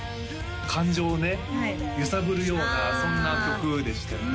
感情をね揺さぶるようなそんな曲でしたよね